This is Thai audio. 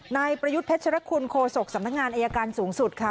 นายประยุทธ์เพชรคุณโคศกสำนักงานอายการสูงสุดค่ะ